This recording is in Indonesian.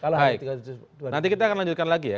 nanti kita akan lanjutkan lagi ya